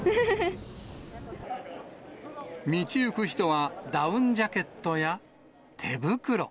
道行く人は、ダウンジャケットや手袋。